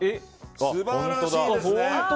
素晴らしいですね。